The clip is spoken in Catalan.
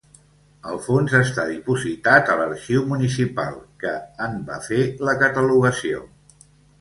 El fons està dipositat a l'Arxiu Municipal que en va fer la catalogació.